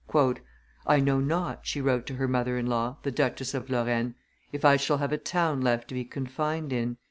"I know not," she wrote to her mother in law, the Duchess of Lorraine, "if I shall have a town left to be confined in."